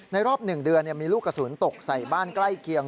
รอบ๑เดือนมีลูกกระสุนตกใส่บ้านใกล้เคียง